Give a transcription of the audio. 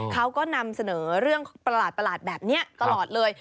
เขาก็นำเสนอเรื่องประหลาดแบบนี้ตลอดเลย